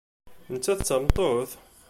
Nettat d tameṭṭut?